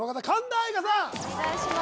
はいお願いします